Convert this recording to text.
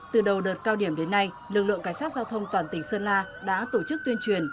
từ đầu đợt cao điểm đến nay lực lượng cảnh sát giao thông toàn tỉnh sơn la đã tổ chức tuyên truyền